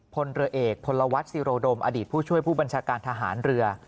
พลเรือเอกพลวัฒนศิโรดมอดีตผู้ช่วยผู้บัญชาการทหารเรือ